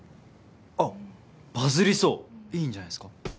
あっバズりそういいんじゃないっすか？